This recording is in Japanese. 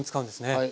はい。